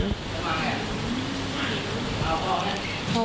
ทำไม